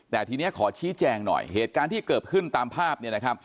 แต่ทีนี้ขอชี้แจงหน่อยเหตุการณ์ที่เกิดขึ้นตามภาพ